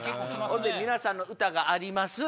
ほんで皆さんの歌があります。